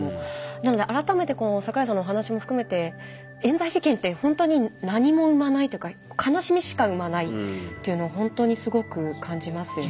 なので改めて桜井さんのお話も含めてえん罪事件ってほんとに何も生まないっていうか悲しみしか生まないっていうのをほんとにすごく感じますよね。